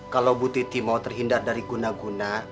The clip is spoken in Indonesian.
kalau bu titi mau terhindar dari guna guna